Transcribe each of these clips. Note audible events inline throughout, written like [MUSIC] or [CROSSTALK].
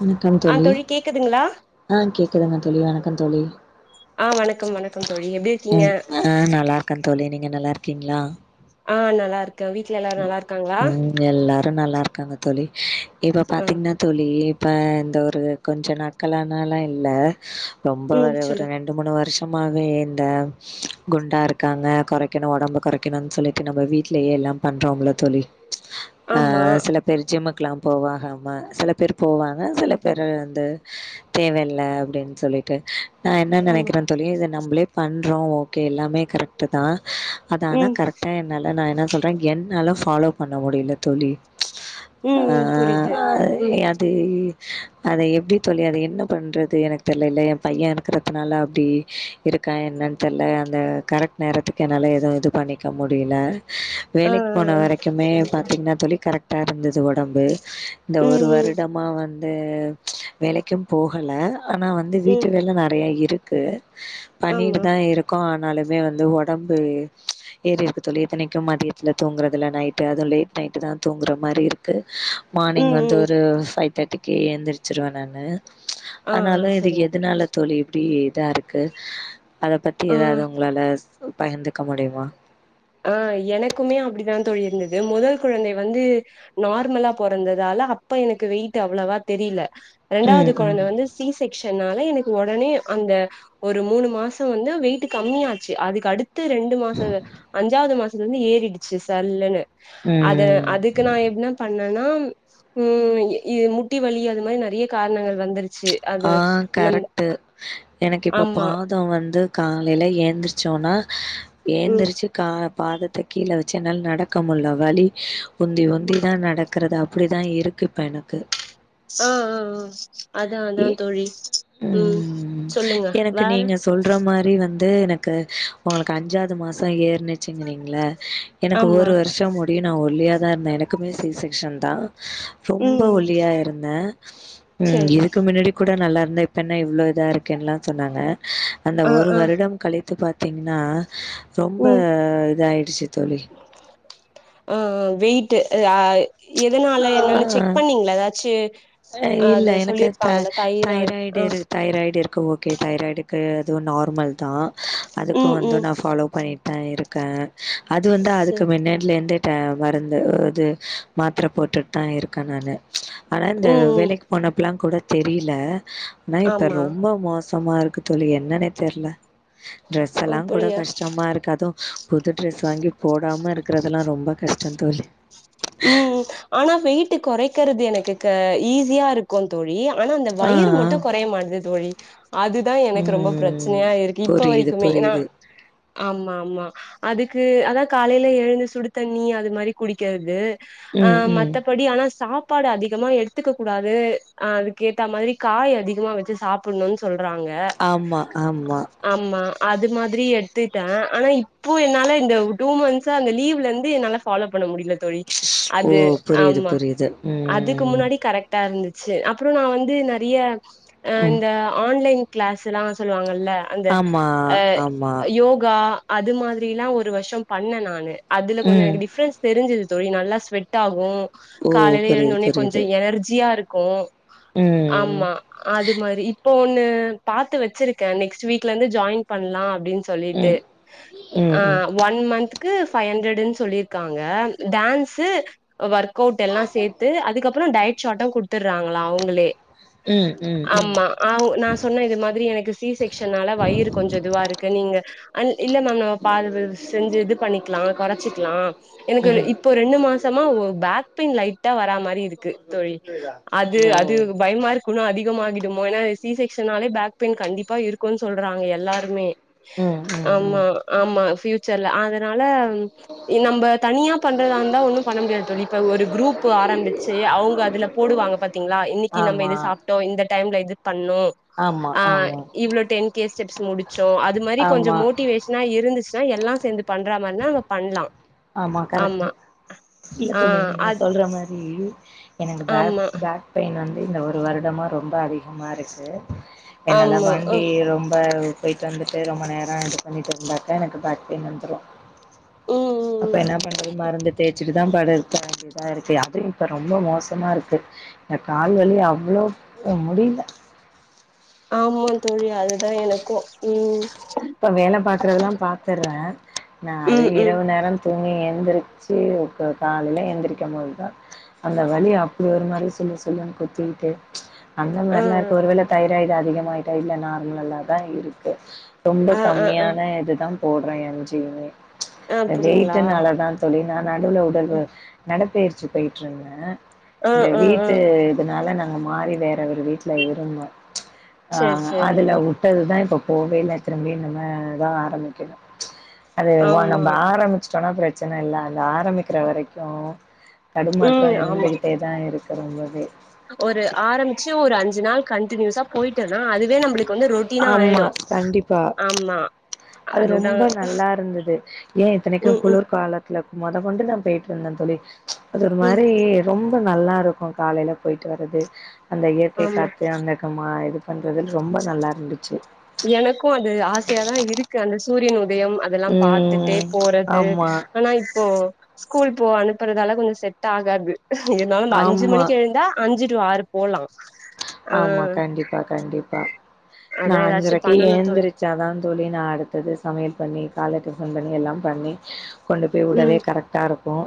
வணக்கம் ஆ தோழி கேக்குதுங்களா ஆ கேக்குதுங்க தோழி வணக்கோ தோழி ஆ வணக்கம் வணக்கம் தோழி எப்டி உ இருக்கீங்க அ நல்லாருக்கே தோழி நீங்க நல்லருக்கீங்களா ஆ நல்லாருக்கே வீட் ம் எல்லாரு நல்லாருக்காங்க தோழி இப்ப ஆ பாத்தீங்கன்னா தோழி இப்ப இந்த ஒரு கொஞ்ச நாட்களனாலா இல்ல ரொம்ப ம் ஒரு ஒரு சொல்லுங் ரென் ரெண்டு மூணு வருஷமாவே இந்த குண்டாருக்காங்க கொறைக்கணு ஒடம்ப கொறைக்கணுனு சொல்லிட்டு நம்ம வீட்லயே எல்லா பண்றோம்ல தோழி ஆ ஆமா சிலப் பெரு ஜிம்முக்குலா போவகம சில பேரு போவாங்க சில பேரு வந்து தேவல்ல அப்டின்னு சொல்லிட்டு நா என்ன ஆமா நெனக்கிறே தோழி இத நம்ளே பண்றோ ஓ கே எல்லாமே கரெக்ட்டுதா அது ஆனா ம் கரெக்டா என்னால நா என்ன சொல்றே என்னால ஃபாலோ பண்ண முடில தோழி ம் அ ம் புரியுது அ ம் அது அது அத எப்டி தோழி அத என்ன பண்றது எனக்கு தெரில்ல எ பைய இருக்குறதுனால அப்டி இருக்கா என்னன்னு தெரில அந்த கரெக்ட் நேரத்துக்கு என்னால எதுவு இது பண்ணிக்க முடில ஆ ஆ வேலக் போன வரைக்குமே பாத்தீங்கன்னா தோழி கரெக்டா இருந்தது ஒடம்பு இந்த ஆ ஒரு ம் ம் வருட் டமா வந்து வேலக்கூ போகல ஆனா வந்து வந்து வீட்டு ம் வேல நெறயா இரூக்கு ஆமா பண்ணிட்டுதா இருக்கோ ஆனாலுமே வந்து ஒடம்பு ஏறிருக்கு தோழி இத்தனக்கு மதிய த்துல தூங்கறதில்ல நைட்டு அது லேட் நைட் தா தூங்குற மாரி இருக்கு ருக்கு மானிங் ம் வந்து ம் ஒரு ஃபைவ் தேர்ட்டிக்கி ஏந்திர்ச்சிருவே நானூ ஆ ஆ ஆனாலு இது சரிங்க எதனால தோழி இப்டி இதாருக்கு அத பத்தி ஆ ஏதாது ஒங்களால சொ பகிர்ந்துக்க முடியுமா ஆ எனக்குமே அப்டிதா தோழி இருந்தது முதல் குழந்தை வந்து நார்மலா பொறந்ததால அப்ப எனக்கு வெயிட் அவ்ளவா தெரில ரெண்டாது ம் கொழந்த ம் வந்து ஸ் சி செக்ஷன்னால எனக்கு ஒடனே அந்த ஒரு மூணு மாசோ வந்து வெயிட்டு கம்மியாச்சி அதுக்கு அடுத் த்து ரெண்டு மாசங்க அஞ்சாது மாசத்துலந்து ஏறிடுச்சி சல்லன்னு அத ம். அதுக்கு நா எப்டினா பண்ணனா ஊம் இது முட்டி வலி அது மாரி நெறய காரணங்கள் வந்துருச் சி அத நம்ம து எனக்கு இப்ப பாதோ வந்து காலைல ஏந்திரிச்சோனா ம் ஏந்திரிச்சு கா பாதத்த கீழே வச்சு என்னால நடக்கமுல்ல வலி உந்தி உந்த தா நடக்கிறது அப்டிதா இருக்கு இப்பனக்கு ஆ ஆ ஆ அதா அதா ஏ தோழி ம் சொல்லுங்க எனக்கு வேற நீங்க சொல்ற மாரி வந்து எனக்கு ஒங்களுக்கு அஞ்சாது மாசோ ஏற்னுச் சிங்றீங்கல எனக்கு ஆமா ஒரு வருஷோ முடிய நா ஒல்லியாதா இருந்தே எனக்குமே சி செக்ஷன்தா ரொம்ப ம் ம் ஒல்லியா இருந்தே ம் சரி இதுக் முன்னடி கூட நல்லா இருந்த இப்பென்ன இவ்ளோ இதா இருக்கன்லா சொன்னாங்க அந்த ஆ ஒரு ஆ வருடம் கழித் த்து பாத்தீங்கன்னா ரொம்ப ம் இதாயிடுச்சி தோழி உ உ வெயிட்டு அ எதனால என்னன்னு ஆ. செக் பண்ணீங்ளா ஏதாச்சு அ இல்ல அது எனக்கு த சொல்லிருப்பாங்கல்ல தைராய்டு ஆ இரு தைராய்டு இருக்கு ஓ கே தைராய்டுக்கு அதுவு நார்மல்தா அதுக்கு ம் வந்து ம் நா ஃபாலோ பண்ணிட் தா இருக்க அது வந்து ச அதுக்கு மின்னடிலேருந்தே டே மருந்து இது மாத்ர போட்டுட்டுதா இருக்கே நானு ஆனா இந்த ம் ம் வேலைக் போனப்பலா கூட தெரில ஆனா இப்ப ஆமா ரொம்ப மோசமா இருக்கு தோழி என்னன்னே தெர்ல ட்ரெஸ்ல்லா கூட அப்டியா கஷ்டமா இருக்கு அதூ புது ட்ரெஸ் வாங்கி போடாம இருக்கிறதெலா ரொம்ப கஷ்டோ தோழி ம் ம் ஆனா வெயிட்டு கொறைக்கிறது எனக்கு க ஈஸியா இருக் க்கு தோழி ஆனா அந்த ஆ ஆ வயிறு மட்டு கொறய மாட்டது தோழி அதுதா எனக்கு ரொம்ப ம் ப்ரச்சனயா இருக்கு இப்ப புரியுது வரைக்குமே எனா புரியுது ஆமா ஆமா அதுக்கு அதா காலைல எழுந்து சுடு தண்ணி அது மாரி குடிக்கறது ஆ ம், ம். மத்தபடி ஆனா சாப் பாடு அதிகமா எடுத்துக்க கூடாது அ அதுக்கு ஏத்த மாதிரி காய் அதிகமா வெச்சு சாப்புட்ணுனு சொல்றாங்க ஆமா ஆமா ஆமா அது மாதிரி எடுத்துட்டே ஆனா இப்போ என்னால இந்த டூ மந்த்ஸா அந்த லீவ்ல இருந்து என்னால ஃபாலோ பண்ண முடில தோழி ஓ! அது புரியுது, ஆமா புரியுது. அதுக்கு ம், முன்னாடி கரெக் டா இருந்துச்சு அப்றோ நா வந்து நெறைய அ ம். இந்த ஆன்லைன் க்ளாஸ் எல்லா சொல்லுவாங்கல்ல அந்த ஆமா, அ ஆமா. யோகா அது மாதிரில்லா ஒரு வருஷோ பண்ணே நானு அதுல கொஞ்சோ ம். எனக்கு டிஃப்ரன்ஸ் தெரிஞ்சது தோழி நல்லா ஸ்வெட் ட்டாகு ஓ! காலைல எழுந்த புரியுது, ஒட்னே புரியுது. கொஞ்சோ எனர்ஜியா இருக்கு ம், ஆமா அது மாரி இப்போ ஒண்ணு பாத்து வச்சிருக்கே நெக்ஸ்ட் வீக்ல இருந்து ஜாயின் பண்லா அப்டின் சொல்லிட்டு ம். ம், ஆ ம். ஒன் மன்த்கு ஃபை ஹண்ட்ரட்னு சொல்லிருக்காங்க டான்ஸ்ஸு ஒர்க் அவுட் எல்லா சேத்து அதுக்கப் றோ டயட் ஷாட்டு குடுத்துடுறாங்களா அவங்களே ம் ம் ம் ஆவ் நா சொன்ன இது மாதிரி எனக்கு சி செக்ஷனால வயிறு கொஞ்சோ இதுவா இருக்கு நீங்க அன் இல்ல மேம் நம்ம பா செஞ்சு இது பண்ணிக்கலா கொறச்சிக்கலா எனக்கு ம். இப் போ ரெண்டு மாசமா ஒரு பேக் பெயின் லைட்டா வரா மாரி இருக் கு தோழி அது அது ஓ! பயமா இரு கு இன்னு அதிகமாகிடுமோ ஏனா சி செக்ஷனாலே பேக் பெயின் கண்டிப்பா இருக்குனு சொல்றாங்க எல்லாருமே ம், ம், ஆமா ம். ஆமா பியூச்சர்ல அதனால நம்ப தனியா பண்றதா இருந்தா ஒண்ணு பண்ண முடியாது தோழி இப்ப ஒரு குரூப்பு ஆரம்பிச் ச்சி அவங்க அதுல போடுவாங்க பாத்தீங்ளா இன்னைக்கு நம்ம ஆமா, இது சாப்டோ இந்த டைம்ல இது பண்ணோ ஆமா, ஆ ஆமா, இவ்ளோ டென் கே ஸ்டெப்ஸ் முடிச்சோ அது மாரி கொஞ்சோ ஆமா, மோட்டிவேஷன் னா இருந்துச்சுன்னா எல்லா சேந்து பண்ற மாரினா நம்ம பண்லா ஆமா கரெக்ட்டு இல்ல ஆ தோழி நீங்க அத் சொல்ற மாரி எனக்கு பேக் ஆமா பேக் பெயின் வந்து இந்த ஒரு வருடமா ரொம்ப அதிகமாக இருக்கு என்னால ஆமா அ வண்டி ரொம்ப போய்ட்டு வந்துட்டு ரொம்ப நேரோ இது பண்ணிட்டு இருந்தாக்க எனக்கு பேக் பெய்ன் வந்துரு ம் ம் அப்ப ம் என்ன பண்றது மருந்து தேச்சு சுட்டு தா படுக்க வேண்டியதா இருக்கு அதுவு இப்ப ரொம்ப மோசமா இருக்கு இந்த கால்வலி அவ்ளோ முடில்ல ஆமாந் தோழி அதுதா எனக்கு ம் இப்போ வேல பாக்கறதெல்லா பாத்தர்ர நா அது ம் ம் இரவு நேரம் தூங்கி எந்திரிச்சு கா காலைல எந்திரிக்கம் போதுதா அந்த வலி அப்டி ஒரு மாரி சுலு சுலுன்னு குத்திக்கிட்டே அந்த ஆ மாறிலாம் இருக்கு ஒருவேள தைராய்டு அதிகமயிட்டா இல்ல நார்மல்லா தா இருக்கு ரொம்ப ஆ ஆ ஆ கம்மியான இது தா போடுற எம் ஜி மே ஆ அது அப்டிங்களா வெய்ட்டுனாலதா தோழி நா நடுவுல உடவு நடப்பயிற்சி போய்ட்டுருந்த ஆ இந்த ஆ ஆ வீட்டு அதனால நாங்க மாறி வேற ஒரு வீட்ல இருந்தோ அ சேரி சேரி அதுல உ ட்டதுதா இப்ப போவே இல்ல திரும்பியு நம்ம தா ஆரம்பிக்கணு அது ஆமா நம்ம ஆரமிச்சுட்டோம்னா பிரச்சன இல்ல அந்த ஆரம்பிக்கிற வரைக்கு தடுமாற்றோ ம் ஆமா இருந்துகிட்டேதா இருக்கு ரொம்பவே ஒரு ஆரமிச்சு ஒரு அஞ்சு நாள் கன்டினியூஸா போய்ட்டனா அதுவே நம்மளுக்கு வந்து ரொட்டினா ஆமா ஆய்டு கண்டிப்பா. ஆமா அது அதுதா ரொம்ப நல்லா இருந்தது ஏ இத்தனைக்கு ம் ம் குளிர் காலத் இல்ல மொத கொண்டு நா பேய்ட்ருந்த தோழி அது ஒரு ம் மாரி ரொம்ப நல்லா இருக்கு காலைல போய்ட்டு வர்றது அந்த இயற்கை ஆமா காத்து அந்த க மா இது பண்றதுன் ரொம்ப நல்லா இருந்துச்சு எனக்கு அது ஆசயாதா இருக்கு அந்த சூரியன் உதயம் அதெல்லா பாத்துட்டே ம் போறது ஆமா, ஆனா இப்போ ஸ்கூல் போ அனுப்புறதால கொஞ்சோ செட் ஆகாது இருந்தாலு அந்த அஞ்சு ஆமா. மணிக்கு எழுந்தா அஞ்சு டு ஆறு போலா ஆ ஆமா கண்டிப்பா கண்டிப்பா நா அதா ஏதாச்சு அஞ்சரைக்கு பண்ணணு தோழி ஏழுந்திரி ச்சா தா தோழி நா அடுத்தது சமையல் பண்ணி காலை டிஃபன் பண்ணி எல்லா பண்ணி கொண்டு போய் உடவே ம் கரெக்டாக இருக்கும்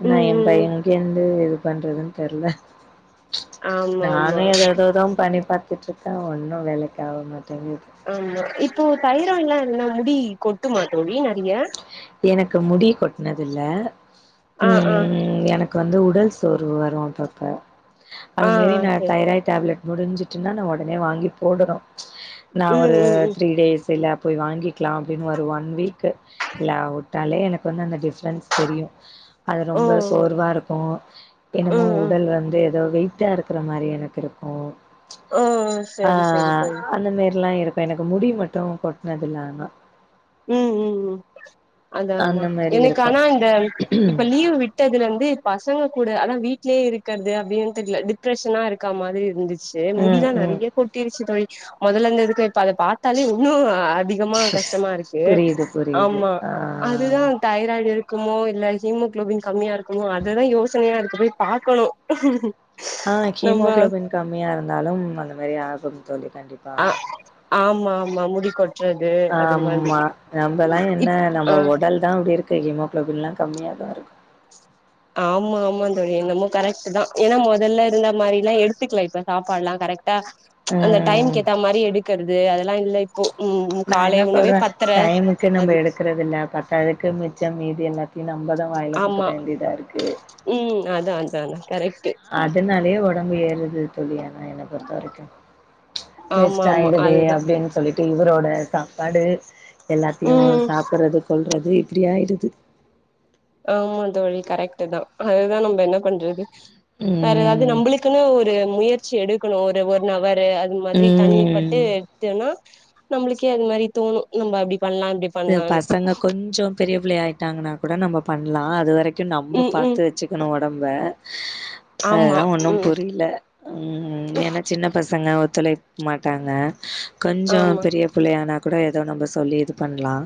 ஆனா ம் ம் எம்ப ம் எங்கேருந்து இது பண்றதுன் தெர்ல ஆமாமா இப்ப தா பண்ணி பாத்துட்டு இருக்க ஒன்னு வேலைக்கு ஆக மாட்டேங்குது ஆமா இப்போ தைராய்னா என்ன முடி கொ கொட்டுமா தோழி நறைய எனக்கு முடி கொட்னது இல்ல ஆ ஆ ம் எனக் கு வந்து உடல் சோர்வு வரு அப்பப்ப ஆ ஆ அதுமாறி நா சரி தைராய்ட் டேப்லெட் முடிஞ்சுசின்னா நா ஒடனே வாங்கி போடனு நா ம் ஒரு ம் ம் த்ரீ டேஸ் இல்ல போய் வாங்கி க்லா அப்டின் ஒரு ஒன் வீக்ல உட்டாலே எனக்கு வந்து அந்த டிஃப்ரன்ஸ் தெரியு அது ஓ ரொம்ப சோர்வா இருக்கும என்னமோ ம் ம் உடல் வந்து ஏதோ வெய் ட்டா இருக்கிற மாறி எனக்கு இருக்கு ஓ ஆ சரி சரி தோழி அந்த மாறியெல்லா இருக் இப்ப எனக்கு முடி மட்டு கொட்னதுல்ல ஆனா ம் ம் ம் அதா அதா அந்த மாரி எனக்கு இருக்கு ஆனா இந்த இப்ப லீவ் விட் விட்டதுலயிந்து பசங்க கூட அதா வீட்லயே இருக்கிறது அப்டினு டிப்ரெஷனா இருக்க மாதிரி இருந்துச் சு ம் முடிதா ம் நெறைய கொட்டிருச்சு தோழி முதல இருந்ததுக்கு இப்ப அத பாத்தாலே இன்னு அதி அதிகமா கஷ்டமா இருக்கு புரியுது புரியுது. ஆமா ஆ அதுதா தைராய்டு இருக்குமோ இல்ல ஹீமோகுளோபின் கம்மியா இருக்குமோ அதுதா யோசனையா இருக்கு போய் பாக்கணு [UNINTELLIGIBLE] ஆ நம்ம ஹீமோகுளோபின் கம்மியா இருந்தாலும் அந்த மாரி ஆகும் தோழி கண்டிப்பா ஆ ஆமா ஆமா முடி கொட்றது அது மாதிரி ஆமா நம்பல்லா என்ன இப் நம்ம ஆ உடல் தான் அப்படி இருக்கு ஹீமோக்ளோபின் எல்லாம் கம்மியா தான் இருக்கு ஆமா ஆமா தோழி என்னமோ கரெக்ட்டு தா ஏன்னா மொதல்ல இருந்த மாரில்லா எடுத்துக்கல இப்ப சாப்பாடுல்லா கரெக்ட் ட அந்த ம் டைம்க்கு ஏத்த மாரி எடுக்குறது அதெல்லா இல்ல இப்போ ம் நா காலை என்ன உணவே சொல்ற பத்தர டைம்க்கு நம்ப எடுக்கிற அது இல்ல பத்தாததுக்கு மிச்சம் மீதி எல்லாத்தையும் நம்மதா வாயில போட்டுக்க வேண்டியதா இருக்கு உம் அதான் அதான் கரெக்ட்டு அதனாலயே உடம்பு ஏறுது தோழி ஏனா என்ன பொறுத்த வரைக்கும் ஆமா வேஸ்ட் ஆமா ஆயிடுதே அதுதா அப்படின்னு சொல்லி ட்டு இவரோட சாப்பாடு எல்லாத்தையும் ம் சாப்ட்றது கொல்றது இப்படியாயிடுது ஆமா தோழி கரெக்ட்டு தான் அதுதான் நம்ம என்ன பண்றது வேற எதாவது ம் நம்மளுக்குன்னு ஒரு முயற்சி எடுக்கணும் ஒரு ஒரு நவரு மாதிரி தனி பட்டு ம் எடுத்துன்னா நம்மளுக்கே அது மாரி தோணும் நம்ம அப்படி பண்ணலாம் இப்டி து பண்லான்னு பசங்க கொஞ்சோ பெரிய பிள்ளையா ஆயிட்டாங்கன்னா கூட நம்ம பண்லாம் அது வரைக்கும் நம்ம ம் ம் பாத்து வச்சு க்கனு உடம்ப ஆமா அதுதான் ஒன்னும் ம் புரியல உம் ஏன்னா சின்ன பசங்க ஒத்துழைக்க மாட்டாங்க கொஞ்சம் ஆமா பெரிய பிள்ளையானா கூட ஏதோ நம்ம சொல்லி இது பண்லாம்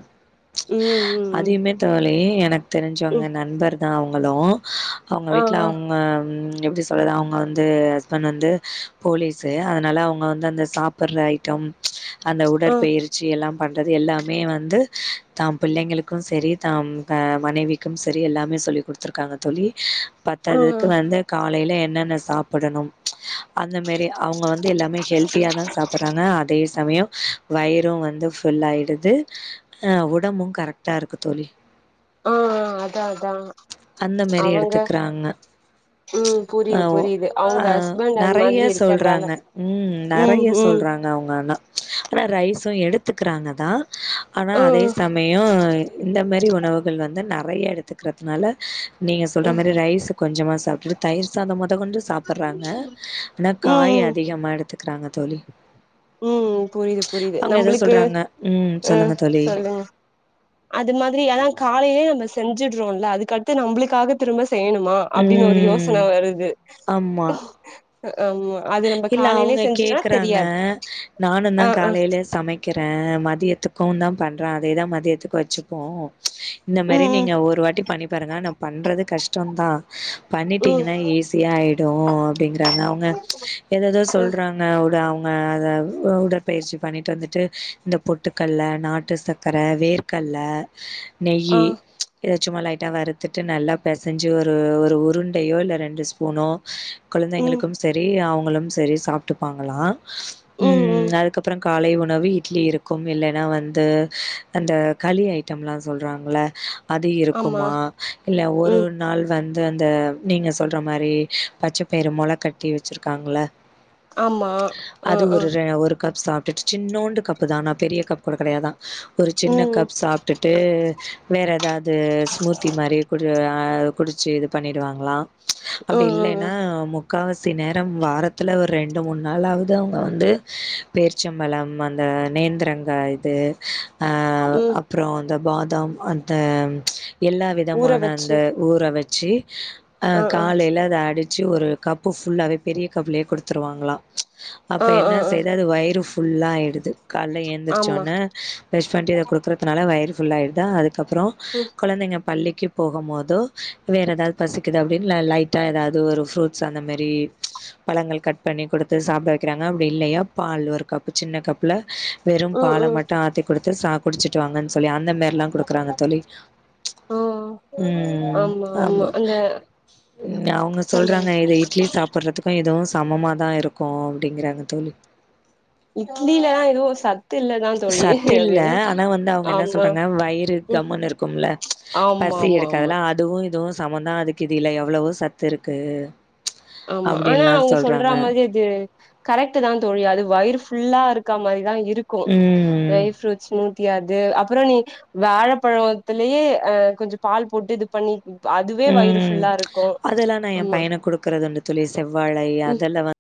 உம் உம் அதையுமே தோழி எனக்கு தெரிஞ்சவங்க நண்பர் தான் அவுங்களும் அவுங்க ஆ வீட்டுல அவுங் அ எப்படி சொல்றது அவுங்க வந்து ஹஸ்பண்ட் வந்து போலீஸு அதனால அவுங்க வந்து அந்த சா சாப்ட்ற ஐட்டம் அந்த ஆ உடற்பயிற்சி எல்லாம் பண்றது எல்லா மே வந்து தாம் பிள்ளைங்களுக்கும் செரி தாம் மனைவிக்கும் செரி எல்லாமே சொல்லி குடுத்துருக்காங்க தோழி ஆ பத்தாததுக்கு வந்து கா காலைல என்னென்ன சாப்பிடனும் அந்த மாரி அவுங்க வந்து எல்லாமே ஹெல்தியாதா சாப் போறாங்க அதே சமயம் வயிறும் வந்து ஃபுல் ஆயிடு து அ உடம்பும் கரெக்டா இருக்கு தோழி ஆ அதா அதா அந்த மாரி அவங்க எடுத்துக்குறாங்க ம் ஆ புரியுது புரியுது அவங்க அ ஹஸ்பண்ட் அது நெறைய மாதிரி இருக்கறதால சொல்றாங்க உம் ம் நெறைய ம் சொல்றாங்க அவுங்கன ஆனா ரைஸும் எடுத்துக்கிறாங்க தான் ஆனா ஆ அதே சமயம் இந்த மாரி உணவுகள் வந்து நெறைய எடுத்துக் கிறதுனால நீங்க சொல்ற ம் மாரி ரைஸு கொஞ்சமா சாப்ட்டுட்டு தயிர் சாதம் மொதக் கொண்டு சாப்ட்டுறாங்க ஆனா காய் ம் அதிகமா எடுத்துக்கறாங்க தோழி ம் புரியுது புரியுது அவுங்க எதோ சொல்றாங்க உம் சொல்லுங்க தோழி ம் அது மாதிரி எல்லாம் காலையிலயே நம்ம செஞ்சுடுறோம்ல அதுக்கடுத்து நம்பளுக்காக திரும்ப செய்யணுமா அப்டின்னு ஒரு ம் யோசன வருது ஆமா ஆமா அது நம்ம இல்ல காலையிலே அவுங்க செஞ்சுட்டோனா கேக்குறாங்க தெரியாது நானும் ஆ தான் ஆ காலையிலயே சமைக் கிறே மதியத்துக்கும் தான் பண்ற அதேதான் மதியத்துக்கு வச்சுப்போம் இந்த மாரி ம் ம் நீங்க ஒரு வாட்டி பண்ணி பாருங்க நா பண்றது கஷ்டம்தான் ம் பண்ணிட்டீங்கன்னா ஈஸியா ஆயிடும் அப்படிங்கறாங்க அவுங்க ஆ அவுங்க உட அவுங்க அதாது உடற்பயிற்சி பண்ணிட்டு வந்துட்டு இந்த பொட்டுக்கல்ல நாட்டு சக் க்கர வேர்க்கல்ல நெய் ஆ இத சும்மா லைட்டாக வறுத்துட்டு நல்லா பெசஞ்சு ஒரு ஒரு உருண்டையோ இல்ல ரெண்டு ஸ்பூனோ ம் குழந்தைங்களுக்கும் சரி அவுங்களும் சரி சாப்ட்டுப்பாங்களாம் ம் உம் ம் அதுக்கப்புறம் காலை உணவு இட்லி இருக்கு இல்லைன்னா வந்து அந்த களி ஐட்டம்லா சொல்றாங்கள அது ஆமா இருக்குமா இல்ல ஒரு ம் ஒன் நாள் வந்து அந்த நீங்க சொல்ற மாதிரி பச்சைப்பயரு மொளக்கட் டி வச்சிருக்காங்கள ஆமா ஆ அது ஆ ஒரு ரெ ஒரு கப் சாப் டுட் சின்னோடுகப்புதா ஆனா பெரிய கப்கூட கெடையாதா ஒரு ம் சின்ன ம் கப் சாப் ட்டுட்டு வேற எதாவ்து ஸ்மூத்தி மாரி குடி ஆ குடிச்சு இது பண்ணிடுவாங்களா அப்டி ம் இல்லைன்னா ம் முக்காவஸ் சி நேரம் வாரத்துல ஒரு ரெண்டு மூண் நாளாவது அவுங்க வந்து பேர்ச்சம்பழோ அந்த நேந்தரங் கா இது ஆ ம் அப்பறோ அந்த பாதாம் அந்த எல்லா ஊற விதமான அந்த வச்சு ஊற வச்சு அ ஆ ஆ காலையில அத அடிச்சி ஒரு கப் பு ஃபுல்லாவே பெரிய கப்புலையே குடுத்துருவாங்களா அப்ப ஆ என்ன ஆ ஆ செய்து அது வயிறு ஃபுல்லா ஆயிடுது கால்ல எழுந்திரச் ஆமா சொன்னே பிரஷ் பண்ணிடு இத குடுக்கறதுனால வய்ரு ஃபுல்லாயிடுதா அதுக்கப்பறோ ம் கொழந்தைங்க பள்ளிக்கு போகு மோதோ வேற ஏதாவ்து பசிக்குது அப்டின்னு ல லைட்டா ஏதாவ்து ஒரு ஃப்ரூட்ஸ் ஸு அந்த மெரி பழங்கள் கட் பண்ணி குடுத்து சாப்ட வக்கிறாங்க அப்டி இல்லயா பால் ஒரு கப்பு சின்ன கப்ல வெறு ம் பால ம் மட்டு ஆத்தி குடுத்து சா குடிச்சுட்டு வாங்கனு சொல்லி அந்த மாரில்லா குடுக்குறாங்க தோழி ஆ ம் ஆமா அவுங்க சொல்லுங்க சொல்றாங் இது இட்லி சாப்ட்றதுக்கு இதுவு சமமா தா இருக்கு அப்டிங்கறாங்க தோழி இட்லியிலதா எதுவு சத்து இல்ல சத்து இல்ல ஆனா வந்து அவுங்க என்ன ஆமா சொல்றாங்க வயிறு கம்மனு இருக்கும்ல ஆம் ஆமா ஆமா காதுல்லா அதுவு இதுவு சமமந்தா அதுக்கு இது இதுல எவ்வளவோ சத்து இருக்கு ஆமா ஆனா அப்டின்லா அவுங்க சொல்ற சொல்றாங்க மாரி இது கரெக்ட் தா தோழி அது வய்ரு ஃபுல்லா இருக்க மாரிதா இருக்கு ம் ட்ரை ஃப்ரூட்ஸ் ஸ்முத்தி அது அப்பறோ நீ வாழப்பழத்தலயே அ கொஞ்சோ பால் போட்டு இது பண்ணி ப் அதுவே வயிறு ம் ஃபுல்லா இருக்கு ஆமா [UNINTELLIGIBLE] துண்டு தோழி செவ்வாழை அதெல்லா வ